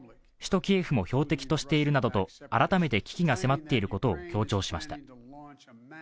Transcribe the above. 首都キエフも標的としているなどと改めて危機が迫っていることを強調しました。